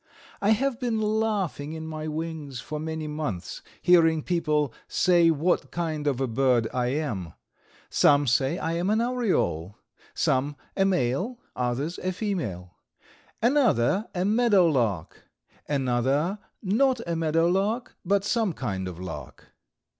I have been laughing in my wings for many months, hearing people say what kind of a bird I am. Some say I am an oriole; some a male, others a female; another a meadowlark; another not a meadowlark, but some kind of lark.